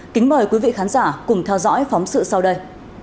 kính mời quý vị khán giả cùng theo dõi phóng sự sau đây